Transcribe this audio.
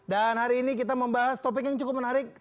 hari ini kita membahas topik yang cukup menarik